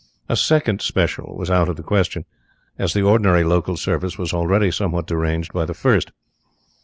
A second special was out of the question, as the ordinary local service was already somewhat deranged by the first.